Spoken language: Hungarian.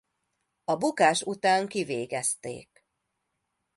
A bukás után kivégezték.